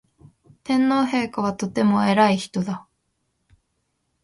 天皇陛下はとても偉い人だ